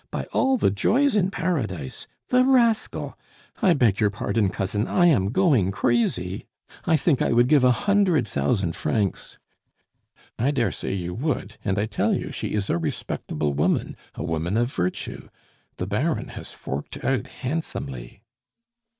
By all the joys in Paradise! The rascal! I beg your pardon, Cousin, I am going crazy! I think I would give a hundred thousand francs " "I dare say you would, and, I tell you, she is a respectable woman a woman of virtue. The Baron has forked out handsomely."